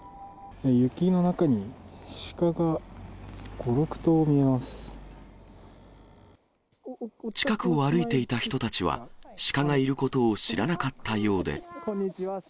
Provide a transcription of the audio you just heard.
雪の中にシカが５、近くを歩いていた人たちは、シカがいることを知らなかったようで。